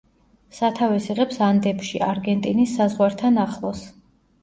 სათავეს იღებს ანდებში, არგენტინის საზღვართან ახლოს.